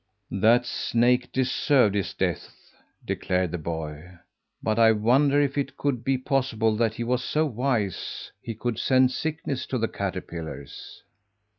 "That snake deserved his death!" declared the boy. "But I wonder if it could be possible that he was so wise he could send sickness to the caterpillars?"